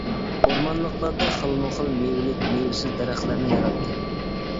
ئورمانلىقلاردا خىلمۇ-خىل مېۋىلىك، مېۋىسىز دەرەخلەرنى ياراتتى.